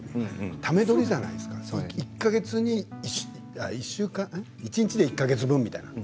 ため撮りじゃないですか一日で１か月分みたいな。